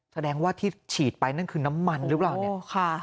แสดงว่าที่ฉีดไปนั่นคือน้ำมันหรือเปล่าเนี่ย